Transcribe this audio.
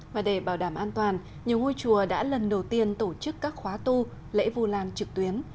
và để bảo đảm an toàn nhiều ngôi chùa đã lần đầu tiên tổ chức các khóa tu lễ vu lan trực tuyến